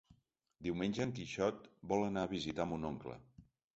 Diumenge en Quixot vol anar a visitar mon oncle.